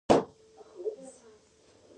پسته ولې خندان ده؟